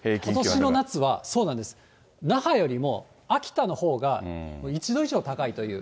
ことしの夏は、そうなんです、那覇よりも秋田のほうが１度以上高いという。